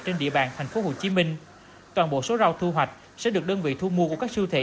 trên địa bàn tp hcm toàn bộ số rau thu hoạch sẽ được đơn vị thu mua của các siêu thị